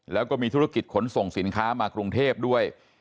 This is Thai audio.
แล้วก็มีธุรกิจขนส่งสินค้ามากรุงเทพด้วย